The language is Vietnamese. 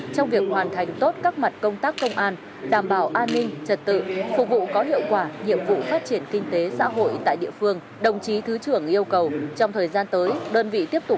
trong việc hoàn thành tốt các mặt công tác công an đảm bảo an ninh trật tự phục vụ có hiệu quả nhiệm vụ phát triển kinh tế xã hội tại địa phương đồng chí thứ trưởng yêu cầu